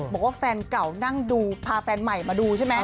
บอกว่าแฟนเก่านั่งดูพาแฟนใหม่มาดูใช่ไหม